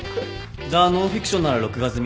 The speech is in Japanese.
『ザ・ノンフィクション』なら録画済み。